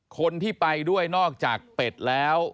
คนที่ไปด้วยนอกจากเป็ดแล้ว